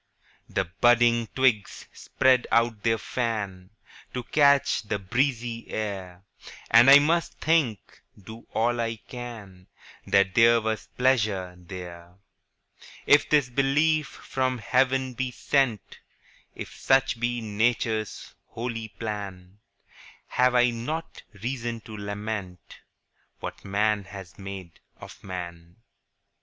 The budding twigs spread out their fan, To catch the breezy air; And I must think, do all I can, That there was pleasure there. 20 If this belief from heaven be sent, If such be Nature's holy plan, Have I not reason to lament What man has made of man?